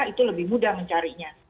itu lebih mudah mencarinya